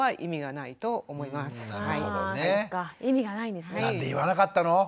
「なんで言わなかったの？